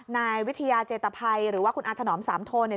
นายวิทยาเจตภัยหรือว่าคุณอาถนอมสามโทเนี่ย